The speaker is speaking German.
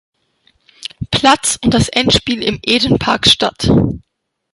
Platz und das Endspiel im Eden Park statt.